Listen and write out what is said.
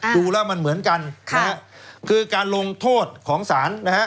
ดูแล้วมันเหมือนกันนะฮะคือการลงโทษของศาลนะฮะ